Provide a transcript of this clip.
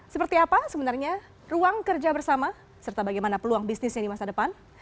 seperti apa sebenarnya ruang kerja bersama serta bagaimana peluang bisnisnya di masa depan